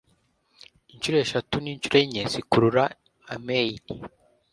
Inshuro eshatu ninshuro enye zikurura amain